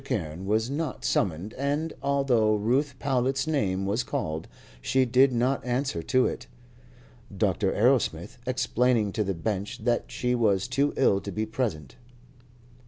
Carne was not summoned, and although Ruth Powlett's name was called, she did not answer to it, Dr. Arrowsmith explaining to the bench that she was too ill to be present.